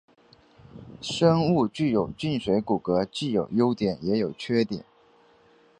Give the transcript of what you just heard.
生物具有静水骨骼既有优点也有缺点。